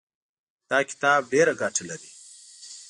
دا کتاب ډېره ګټه لري.